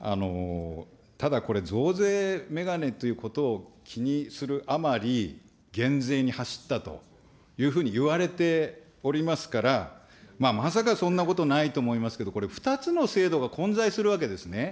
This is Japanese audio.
ただこれ、増税眼鏡ということを気にするあまり、減税に走ったというふうにいわれておりますから、まさかそんなことないと思いますけど、これ、２つの制度が混在するわけですね。